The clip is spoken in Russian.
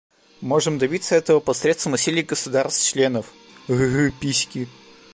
Мы можем добиться этого посредством усилий государств-членов.